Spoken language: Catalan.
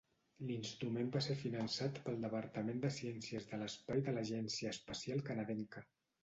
L'instrument va ser finançat pel Departament de Ciències de l'Espai de l'Agència Espacial Canadenca.